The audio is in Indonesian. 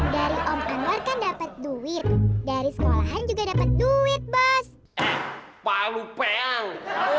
dari om anwar kan dapat duit dari sekolahan juga dapat duit bos eh palu peang